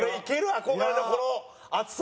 憧れのこの厚さ。